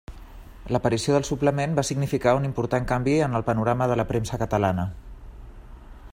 L'aparició del suplement va significar un important canvi en el panorama de la premsa catalana.